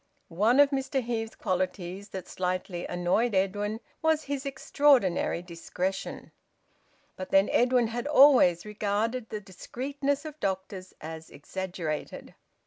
One of Mr Heve's qualities that slightly annoyed Edwin was his extraordinary discretion. But then Edwin had always regarded the discreetness of doctors as exaggerated.